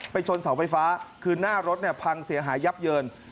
ชนเสาไฟฟ้าคือหน้ารถเนี่ยพังเสียหายยับเยิน